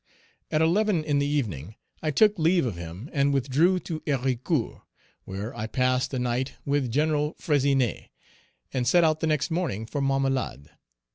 At eleven in the evening, I took leave of him and withdrew to Héricourt, where I passed the night with Gen. Fressinet, and set out the next morning for Marmelade.